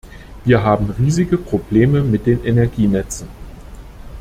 Wir haben riesige Probleme mit den Energienetzen.